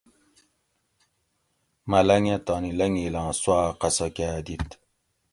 ملنگ اۤ تانی لنگیلاں سُواۤ قصہ کاۤ دِت